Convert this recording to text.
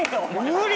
無理。